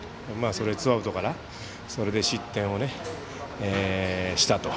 ツーアウトからそれで失点をしたと。